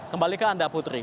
kembali ke anda putri